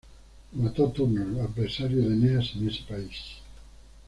Lo mató Turno, el adversario de Eneas en ese país.